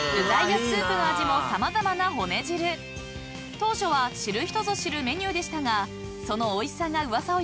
［当初は知る人ぞ知るメニューでしたがそのおいしさが噂を呼び徐々に人気が］